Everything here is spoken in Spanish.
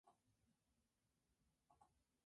Los vencedores de las llaves de Segunda Fase.